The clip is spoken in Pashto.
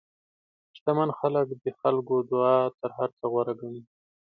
شتمن خلک د خلکو دعا تر هر څه غوره ګڼي.